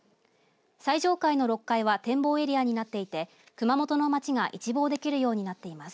最上階の６階は展望エリアになっていて熊本の町が一望できるようになっています。